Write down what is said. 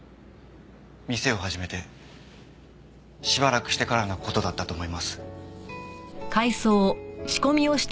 店を始めてしばらくしてからの事だったと思います。